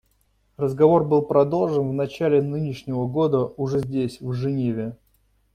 Разговор был продолжен в начале нынешнего года уже здесь, в Женеве.